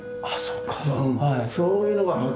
あそうか。